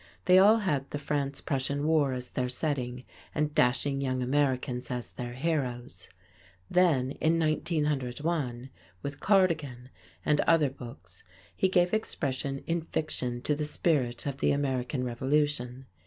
They all had the France Prussian War as their setting, and dashing young Americans as their heroes. Then in 1901 with "Cardigan" and other books he gave expression in fiction to the spirit of the American Revolution.